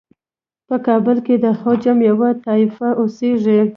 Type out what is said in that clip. په کابل کې د عجم یوه طایفه اوسیږي.